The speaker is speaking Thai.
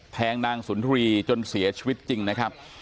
แทงนางสุนทรีย์จนเสียชีวิตจริงนะครับ